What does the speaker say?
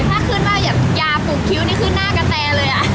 ถ้าขึ้นมาอย่างยาปลูกคิ้วนี่ขึ้นหน้ากระแตเลย